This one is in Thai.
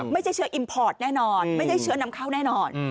ไม่ใช่เชื้ออิมพอร์ตแน่นอนไม่ใช่เชื้อนำเข้าแน่นอน